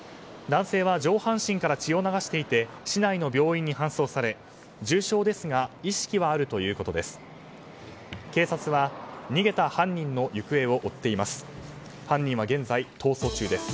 男性は上半身から血を流していて市内の病院に搬送され重傷ですが意識はあるということです。